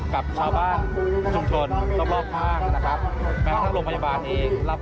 กับชาวบ้านชุมชนรอบข้างนะครับ